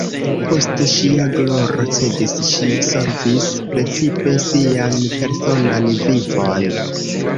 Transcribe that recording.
Poste ŝia gloro cedis, ŝi solvis precipe sian personan vivon.